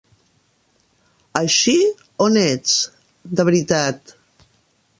Així, on ets, de veritat?